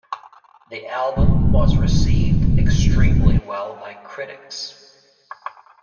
The album was received extremely well by critics.